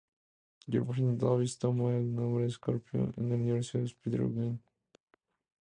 Jefferson Davis toma el nombre Escorpión en el universo Spider-Gwen.